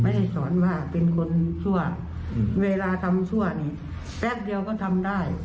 ให้สอนว่าเป็นคนชั่วเวลาทำชั่วนี่แป๊บเดียวก็ทำได้